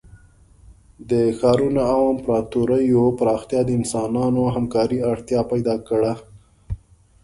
د ښارونو او امپراتوریو پراختیا د انسانانو همکارۍ اړتیا پیدا کړه.